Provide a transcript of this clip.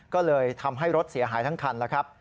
ก็เลยทำให้รถเสียหายทั้งคันแล้วครับ